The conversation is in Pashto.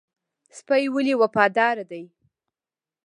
سپی ولې وفادار دی؟